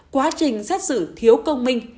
quá trình xét xử thiếu công minh